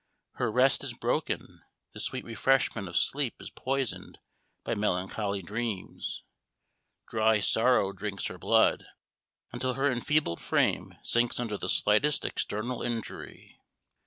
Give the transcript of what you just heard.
Her rest is broken the sweet refreshment of sleep is poisoned by melancholy dreams "dry sorrow drinks her blood," until her enfeebled frame sinks under the slightest external injury.